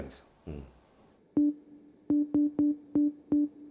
うん。